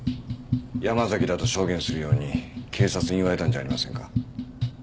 山崎だと証言するように警察に言われたんじゃありませんか？